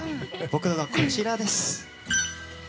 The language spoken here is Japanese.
僕はこちらです。